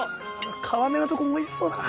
皮目のとこもおいしそうだな。